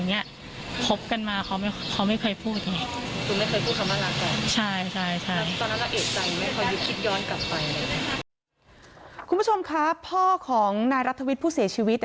เนี่ยพบกันมาเขาไม่เขาไม่เคยพูดใช่ใช่คุณผู้ชมครับพ่อของนายรับทวิทย์ผู้เสียชีวิต